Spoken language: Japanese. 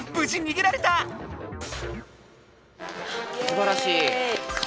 すばらしい。